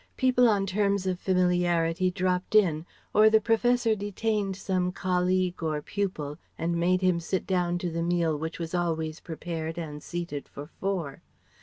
People on terms of familiarity dropped in, or the Professor detained some colleague or pupil and made him sit down to the meal which was always prepared and seated for four.